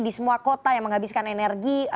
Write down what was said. di semua kota yang menghabiskan energi